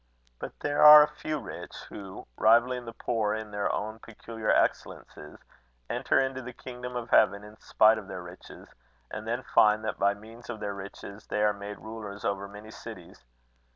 But there are a few rich, who, rivalling the poor in their own peculiar excellences, enter into the kingdom of heaven in spite of their riches; and then find that by means of their riches they are made rulers over many cities.